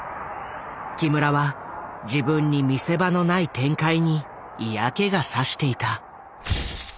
木村は自分に見せ場のない展開に嫌気が差していた。